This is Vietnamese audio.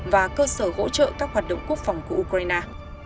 và cơ sở hỗ trợ các hoạt động quốc phòng của ukraine